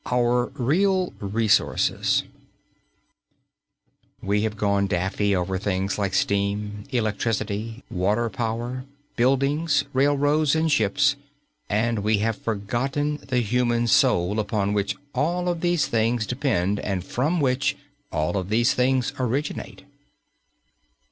V OUR REAL RESOURCES We have gone daffy over things like steam, electricity, water power, buildings, railroads, and ships and we have forgotten the human soul upon which all of these things depend and from which all of these things originate.